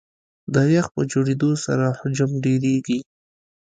د یخ په جوړېدو سره حجم ډېرېږي.